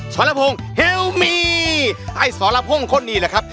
รพงศ์เฮลมีไอ้สรพงศ์คนนี้แหละครับ